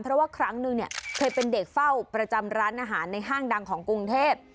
เพราะว่าครั้งนึงเนี่ยเคยเป็นเด็กเฝ้าประจำร้านอาหารในห้างดังของกรุงเทพ